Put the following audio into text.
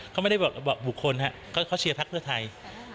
เขาไม่ได้บอกบุคคลครับเขาเชียร์พักเพื่อไทย